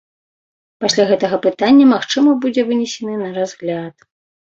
Пасля гэтага пытанне, магчыма, будзе вынесены на разгляд.